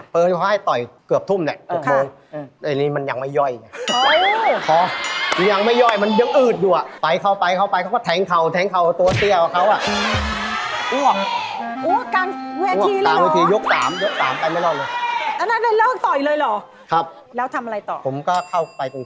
เพราะน่าจะต่อยเกือบทุ่มนะ๖โมง